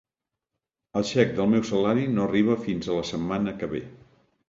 El xec del meu salari no arriba fins a la setmana que ve.